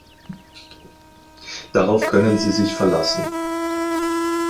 Darauf können Sie sich verlassen.